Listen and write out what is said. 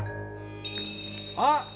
あっ！